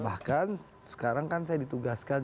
bahkan sekarang kan saya ditugaskan